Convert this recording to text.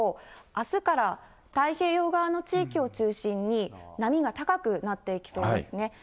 あすから太平洋側の地域を中心に、波が高くなっていきそうですね。